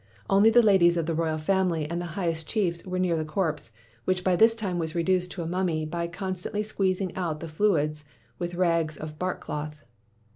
Only the ladies of the royal family and the highest chiefs were near the corpse, which by this time was reduced to a mummy by constantly squeezing out the fluids with rags of bark cloth.